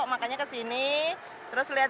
makanya ke sini terus lihat